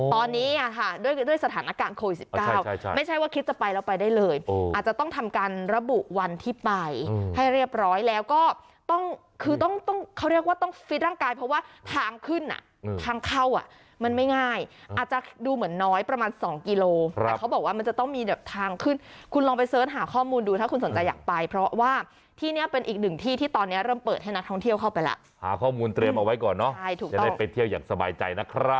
ตอนนี้อ่ะค่ะด้วยสถานการณ์โคล๑๙ไม่ใช่ว่าคิดจะไปแล้วไปได้เลยอาจจะต้องทำการระบุวันที่ไปให้เรียบร้อยแล้วก็ต้องคือต้องต้องเขาเรียกว่าต้องฟิตร่างกายเพราะว่าทางขึ้นอ่ะทางเข้าอ่ะมันไม่ง่ายอาจจะดูเหมือนน้อยประมาณ๒กิโลแต่เขาบอกว่ามันจะต้องมีแบบทางขึ้นคุณลองไปเสิร์ชหาข้อมูลดูถ้าคุณสนใจอยากไป